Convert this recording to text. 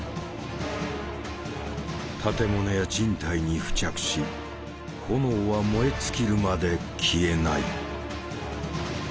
建物や人体に付着し炎は燃え尽きるまで消えない。